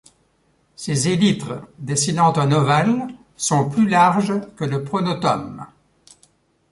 Ses élytres dessinant un ovale sont plus larges que le pronotum.